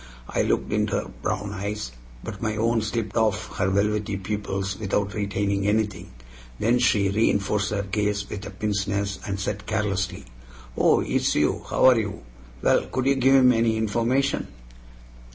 I looked into her brown eyes, but my own slipped off her velvety pupils without retaining anything. Then she reinforced her gaze with a pince nez, and said carelessly: "Oh, it's you? How are you? Well, could you give him any information?"